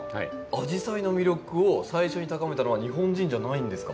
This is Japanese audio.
アジサイの魅力を最初に高めたのは日本人じゃないんですか？